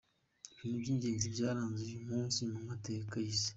Ibintu by’ingenzi byaraze uyu munsi mu mateka y’isi:.